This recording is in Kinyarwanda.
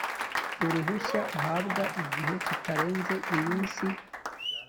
uruhushya ahabwa igihe kitarenze iminsi